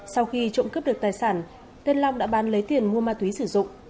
sau khi trộm cướp được tài sản tên long đã bán lấy tiền mua ma túy sử dụng